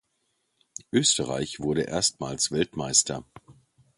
Österreich wurde erstmals Weltmeister.